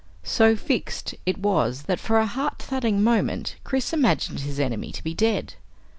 So fixed, it was, that for a heart thudding moment Chris imagined his enemy to be dead.